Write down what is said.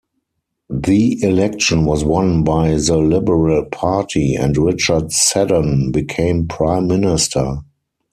The election was won by the Liberal Party, and Richard Seddon became Prime Minister.